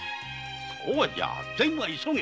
そうじゃ善は急げ。